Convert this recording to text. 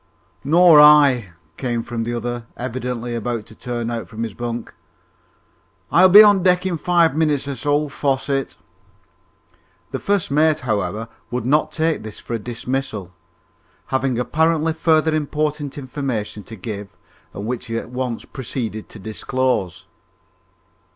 "Nor I," came from the other, evidently about to turn out from his bunk. "I'll be on deck in five minutes or so, Fosset." The first mate, however, would not take this for a dismissal, having apparently further important information to give and which he at once proceeded to disclose.